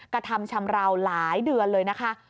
กระทำชำราวหลายเดือนเลยนะคะ